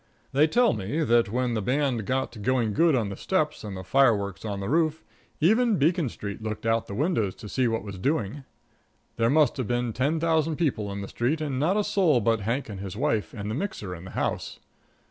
They tell me that, when the band got to going good on the steps and the fireworks on the roof, even Beacon Street looked out the windows to see what was doing. There must have been ten thousand people in the street and not a soul but Hank and his wife and the mixer in the house.